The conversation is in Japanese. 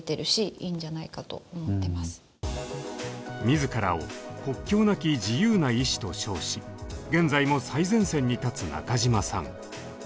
自らを「国境なき自由な医師」と称し現在も最前線に立つ中嶋さん。